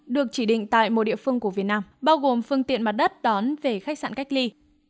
được chỉ định tại một địa phương của việt nam bao gồm phương tiện mặt đất đón về khách sạn cách ly